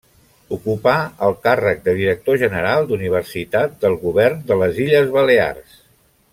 Ocupà el càrrec de Director general d’Universitat del Govern de les Illes Balears.